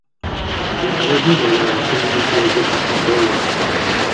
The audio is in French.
Elle grandit dans la communauté asiatique du grand Londres.